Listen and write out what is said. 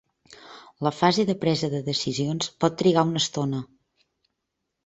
La fase de presa de decisions pot trigar una estona.